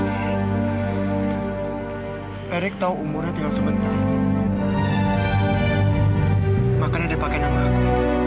setelah umurnya tinggal sebentar makanya dia pakai nama aku